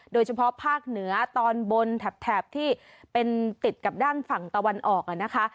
โดยเฉพาะภาคเหนือตอนบนแถบที่เป็นติดกับด้านฝั่งตะวันออกนะคะ